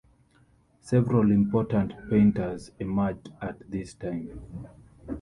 Several important painters emerged at this time.